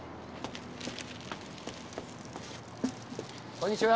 こんにちは！